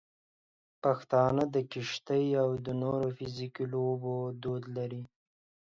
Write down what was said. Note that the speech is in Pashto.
پښتانه د کشتۍ او نورو فزیکي لوبو دود لري.